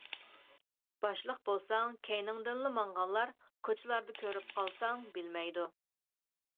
باشلىق بولساڭ كەينىڭدىنلا ماڭغانلار، كوچىلاردا كۆرۈپ قالساڭ بىلمەيدۇ.